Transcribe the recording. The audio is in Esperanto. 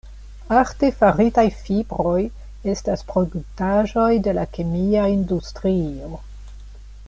Artefaritaj fibroj estas produktaĵoj de la kemia industrio.